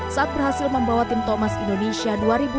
saat berhasil membawa tim thomas indonesia dua ribu dua puluh